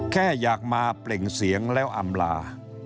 แค่อยากมาเปล่งเสียงแล้วอำลา